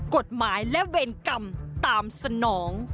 กฎหมายและเวรกรรมตามสนอง